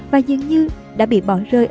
và dường như đã bị bỏ rơi